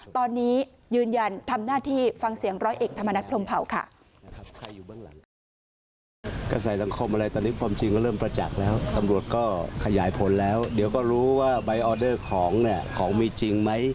ตอนนี้ยืนยันทำหน้าที่ฟังเสียงร้อยเอกธรรมนัฐพรมเผาค่ะ